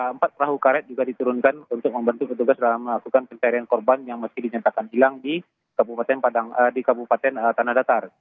empat perahu karet juga diturunkan untuk membantu petugas dalam melakukan pencarian korban yang masih dinyatakan hilang di kabupaten tanah datar